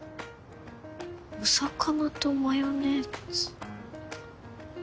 お魚とマヨネーズ。